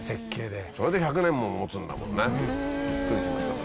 それで１００年も持つんだもんねビックリしましたね。